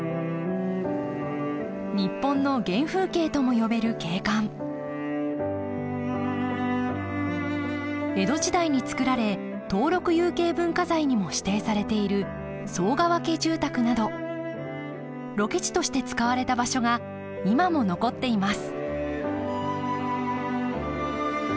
日本の原風景とも呼べる景観江戸時代につくられ登録有形文化財にも指定されている寒川家住宅などロケ地として使われた場所が今も残っています